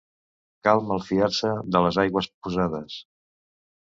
Cal malfiar-se de les aigües posades.